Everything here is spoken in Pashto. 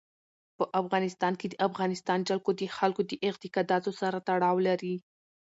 په افغانستان کې د افغانستان جلکو د خلکو د اعتقاداتو سره تړاو لري.